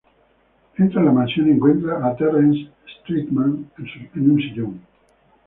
Entra en la mansión y encuentra a Terrence Steadman en un sillón.